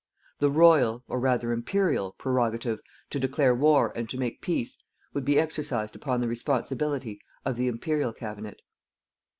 The Royal or rather Imperial Prerogative to declare war and to make peace would be exercised upon the responsibility of the Imperial Cabinet.